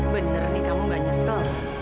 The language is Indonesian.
bener nih kamu gak nyesel